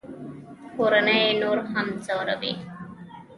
کورنۍ یې نور هم ځوروي